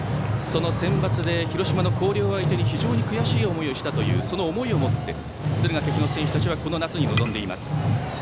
そのセンバツで広島の広陵相手に非常に悔しい思いをしたというその思いを持って敦賀気比の選手たちはこの夏に望んでいます。